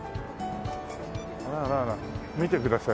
あらあらあら見てください。